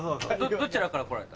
どちらから来られた？